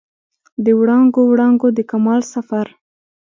د وړانګو، وړانګو د کمال سفر